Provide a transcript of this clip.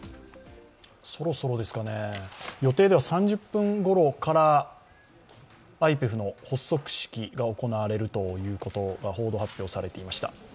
そろそろですかね、予定では３０分ごろからＩＰＥＦの発足式が行われるということが報道発表されていました。